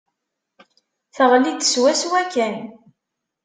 Teɣli-d swaswa kan.